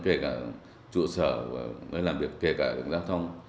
kể cả trụ sở nơi làm việc kể cả giao thông